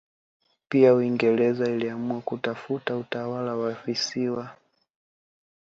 Pia Uingereza iliamua kutafuta utawala wa visiwa